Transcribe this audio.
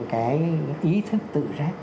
cái ý thức tự giác